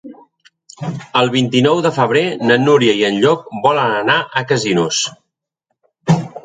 El vint-i-nou de febrer na Núria i en Llop volen anar a Casinos.